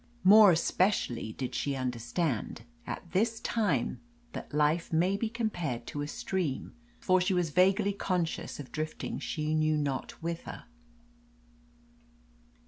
More especially did she understand at this time that life may be compared to a stream, for she was vaguely conscious of drifting she knew not whither.